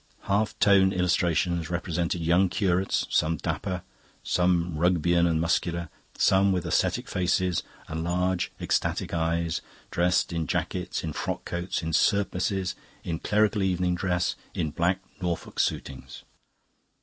Half tone illustrations represented young curates, some dapper, some Rugbeian and muscular, some with ascetic faces and large ecstatic eyes, dressed in jackets, in frock coats, in surplices, in clerical evening dress, in black Norfolk suitings.